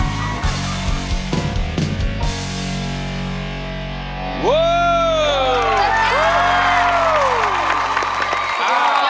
สวัสดีครับ